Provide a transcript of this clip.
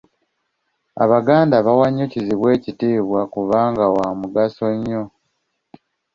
Abaganda bawa nnyo kizibwe ekitiibwa kubanga wa mugaso nnyo.